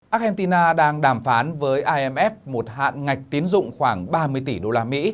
argentina đang đàm phán với imf một hạn ngạch tiến dụng khoảng ba mươi tỷ usd